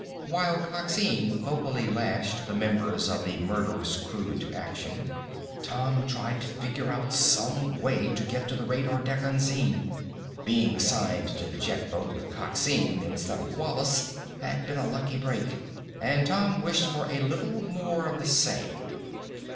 While Coxine vocally lashed the members of the murderous crew into action, Tom tried to figure out some way to get to the radar deck unseen. Being assigned to the jet boat with Coxine, instead of Wallace, had been a lucky break and Tom wished for a little more of the same.